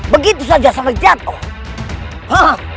begitu saja sampai jatuh